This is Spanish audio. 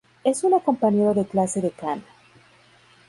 Es una compañero de clase de Kana.